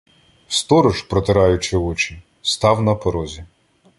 Сторож, протираючи очі, став на порозі.